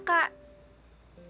itu akan membahayakan kakak